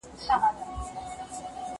زه پرون کتابونه وليکل،